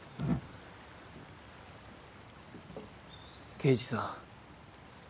刑事さん。